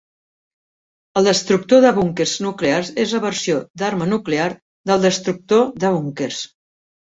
El destructor de búnquers nuclears és la versió d'arma nuclear del destructor de búnquers.